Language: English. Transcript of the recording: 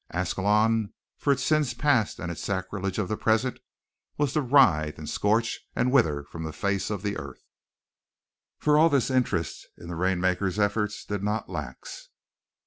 Ascalon, for its sins past and its sacrilege of the present, was to writhe and scorch and wither from the face of the earth. For all this, interest in the rainmaker's efforts did not lax.